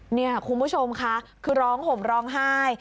นี่คุณผู้ชมค่ะคือร้องห่มร้องไห้